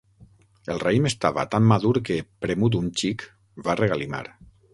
El raïm estava tan madur que, premut un xic, va regalimar.